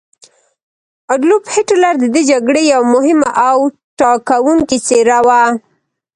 اډولف هیټلر د دې جګړې یوه مهمه او ټاکونکې څیره وه.